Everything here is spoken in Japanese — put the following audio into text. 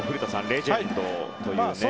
レジェンドというね。